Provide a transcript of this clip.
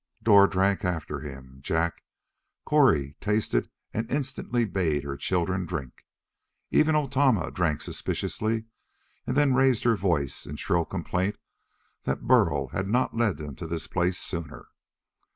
Dor drank after him. Jak. Cori tasted, and instantly bade her children drink. Even old Tama drank suspiciously, and then raised her voice in shrill complaint that Burl had not led them to this place sooner.